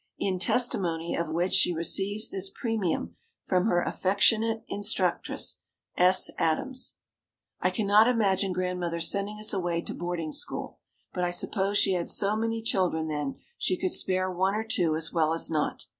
In testimony of which she receives this Premium from her affectionate instructress, S. Adams." I cannot imagine Grandmother sending us away to boarding school, but I suppose she had so many children then, she could spare one or two as well as not.